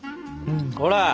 ほら！